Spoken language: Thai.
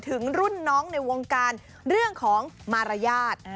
ถึงรุ่นน้องในวงการเรื่องของมารยาท